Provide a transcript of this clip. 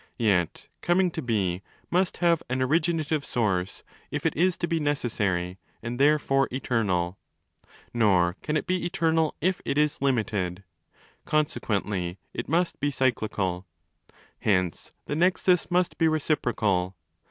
Yet coming to be must have an ' originative source' (if it is to be necessary and therefore eternal ),! nor can it be eternal if it is limited.2, Consequently it must be cyclical. Hence the exus must be reciprocal.